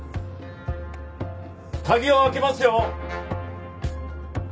鍵を開けますよ！